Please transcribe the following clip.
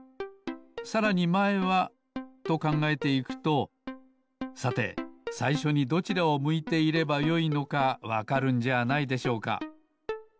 さらにまえはと考えていくとさてさいしょにどちらを向いていればよいのかわかるんじゃないでしょうか。